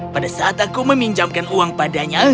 pada saat aku meminjamkan uang padanya